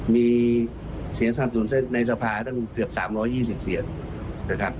มีเสียงสร้างธุรกิจในสภาทันเกือบสามร้อยยี่สิบเสียงใช่ครับ